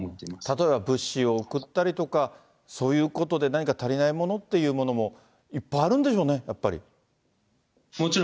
例えば、物資を送ったりとか、そういうことで何か足りないものっていうのもいっぱいあるんでしょうね、やっぱり。